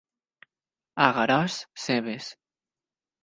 A Garòs, cebes.